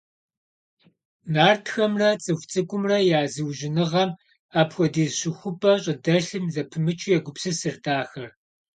Нартхэмрэ цӀыху цӀыкӀумрэ я зыужьыныгъэм апхуэдиз щыхупӀэ щӀыдэлъым зэпымычу егупсысырт ахэр.